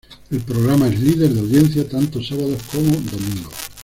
El programa es líder de audiencia tanto sábados como domingos.